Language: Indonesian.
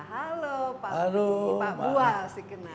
halo pak budi pak buah sih kenal